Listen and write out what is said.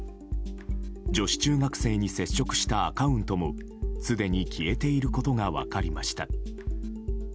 女子中学生に接触したアカウントもすでに消えていることが分かりました。